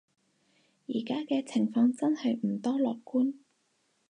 而家嘅情況真係唔多樂觀